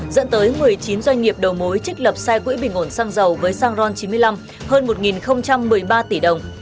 dẫn tới một mươi chín doanh nghiệp đầu mối trích lập sai quỹ bình ổn xăng dầu với xăng ron chín mươi năm hơn một một mươi ba tỷ đồng